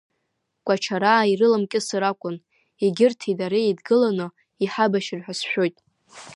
Кәачараа ирыламкьысыр акәын, егьырҭи дареи еидгыланы иҳабашьыр ҳәа сшәоит.